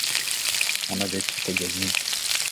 On avait tout à gagner.